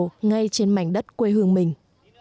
và làm giàu ngay trên mảnh đất quê hương mình